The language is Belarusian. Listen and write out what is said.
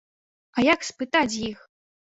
А як спытаць з іх?